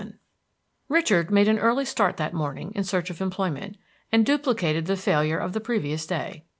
VII Richard made an early start that morning in search of employment, and duplicated the failure of the previous day.